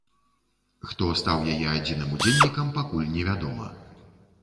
Хто стаў яе адзіным удзельнікам, пакуль не вядома.